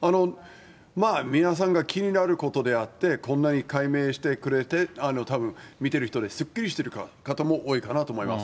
皆さんが気になることであって、こんなに解明してくれて、たぶん見てる人ですっきりしてる方も多いかなと思います。